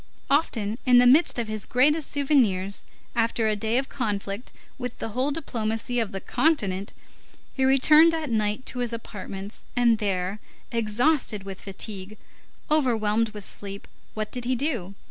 Often, in the midst of his gravest souvenirs, after a day of conflict with the whole diplomacy of the continent, he returned at night to his apartments, and there, exhausted with fatigue, overwhelmed with sleep, what did he do?